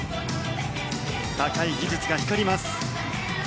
高い技術が光ります。